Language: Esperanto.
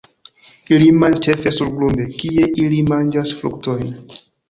Ili manĝas ĉefe surgrunde, kie ili manĝas fruktojn.